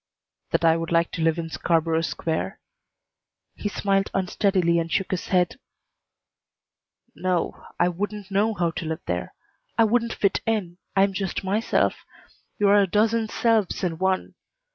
"That I would like to live in Scarborough Square?" He smiled unsteadily and shook his head. "No, I wouldn't know how to live there. I wouldn't fit in. I am just myself. You are a dozen selves in one.